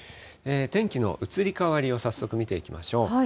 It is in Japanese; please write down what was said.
天気の移り変わりを早速見ていきましょう。